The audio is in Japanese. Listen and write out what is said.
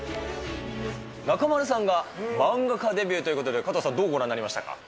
中丸さんが漫画家デビューということで、加藤さん、どうご覧になりましたか？